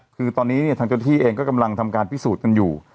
คือตอนนี้เนี่ยทางเจ้าที่เองก็กำลังทำการพิสูจน์กันอยู่